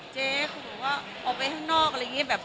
เจ๊คือว่าออกไปข้างนอกอะไรอย่างเงี้ยแบบ